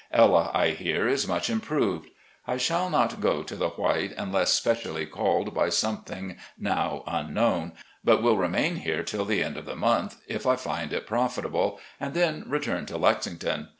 Ella, I hear, is much improved. I shall not go to the White unless specially called by something now unknown, but will remain here till the end of the month, if I find it profitable, and then return to Lexington.